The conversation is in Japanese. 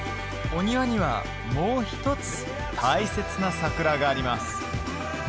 お庭にはもう一つ大切な桜があります